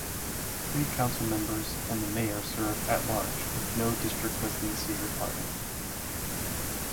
Three Council Members and the Mayor serve "At Large" with no district residency requirement.